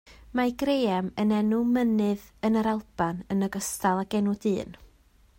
Mae Graham yn enw mynydd yn yr Alban yn ogystal ag enw dyn.